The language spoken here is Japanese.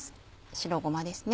白ごまですね